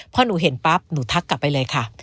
พอหนูเห็นปั๊บหนูทักกลับไปเลยค่ะ